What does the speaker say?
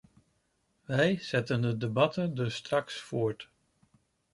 Wij zetten de debatten dus straks voort.